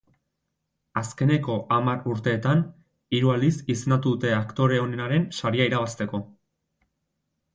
Azkeneko hamar urteetan hiru aldiz izendatu dute aktore onenaren saria irabazteko.